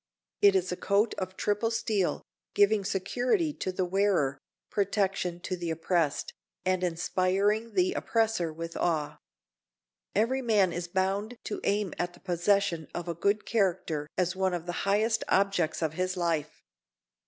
It is a coat of triple steel, giving security to the wearer, protection to the oppressed, and inspiring the oppressor with awe. Every man is bound to aim at the possession of a good character as one of the highest objects of his life.